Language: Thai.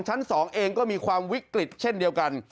ชั้น๒เองก็มีความวิกฤตเช่นเดียวกัน